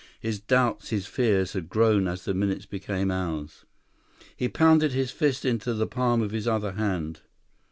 His doubts, his fears had grown as the minutes became hours. He pounded his fist into the palm of his other hand.